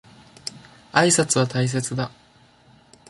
挨拶は大切だ。